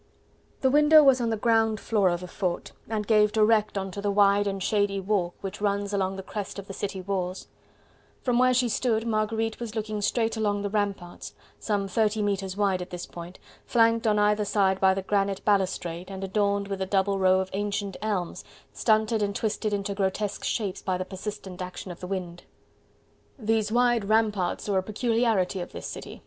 The window was on the ground floor of the Fort, and gave direct onto the wide and shady walk which runs along the crest of the city walls; from where she stood Marguerite was looking straight along the ramparts, some thirty metres wide at this point, flanked on either side by the granite balustrade, and adorned with a double row of ancient elms stunted and twisted into grotesque shapes by the persistent action of the wind. "These wide ramparts are a peculiarity of this city..."